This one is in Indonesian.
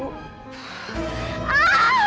aku gak mau tahu